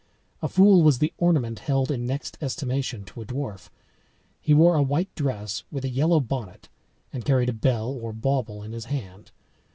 A fool was the ornament held in next estimation to a dwarf. He wore a white dress with a yellow bonnet, and carried a bell or bawble in his hand.